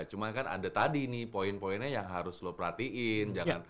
cuma kan ada tadi nih poin poinnya yang harus lo perhatiin